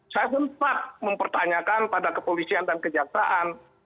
saya sempat mempertanyakan pada kepolisian dan kejaksaan